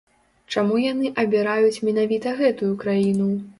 Чаму яны абіраюць менавіта гэтую краіну?